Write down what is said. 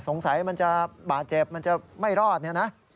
มันจะบาดเจ็บมันจะไม่รอดเนี่ยนะ